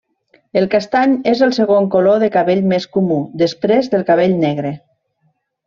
El castany és el segon color de cabell més comú, després del cabell negre.